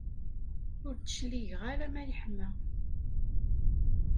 Ur d-cligeɣ ara ma yeḥma.